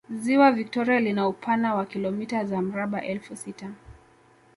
Ziwa Vitoria lina upana wa kilomita za mraba elfu sita